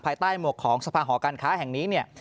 ภายใต้หมวกของสภาหอการค้าแห่งนี้